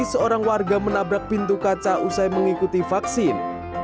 seorang warga menabrak pintu kaca usai mengikuti vaksin